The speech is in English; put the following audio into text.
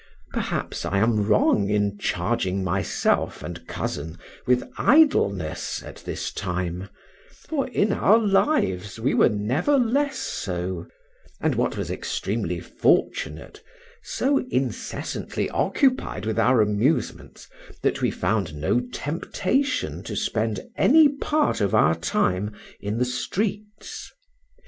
Perhaps I am wrong in charging myself and cousin with idleness at this time, for, in our lives, we were never less so; and what was extremely fortunate, so incessantly occupied with our amusements, that we found no temptation to spend any part of our time in the streets.